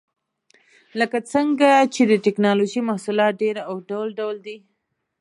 لکه څنګه چې د ټېکنالوجۍ محصولات ډېر او ډول ډول دي.